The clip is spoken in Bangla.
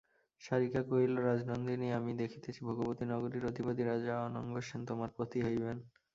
শারিকা কহিল রাজনন্দিনি আমি দেখিতেছি ভোগবতী নগরীর অধিপতি রাজা অনঙ্গসেন তোমার পতি হইবেন।